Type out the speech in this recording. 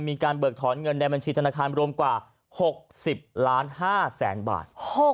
เบิกถอนเงินในบัญชีธนาคารรวมกว่า๖๐ล้าน๕แสนบาท